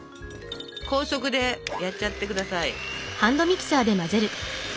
高速でやっちゃってください。